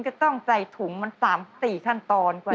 จะต้องใส่ถุงมัน๓๔ขั้นตอนกว่า